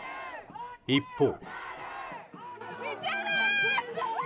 一方。